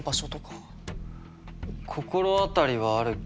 心当たりはあるけど。